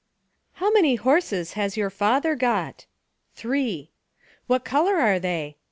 "How many horses has your father got?" "Three." "What colour are they?"